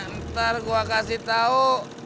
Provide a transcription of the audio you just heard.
ntar gue kasih tau